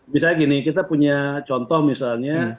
misalnya gini kita punya contoh misalnya